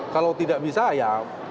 kalau tidak bisa ya